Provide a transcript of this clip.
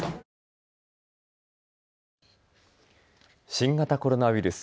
新型コロナウイルス。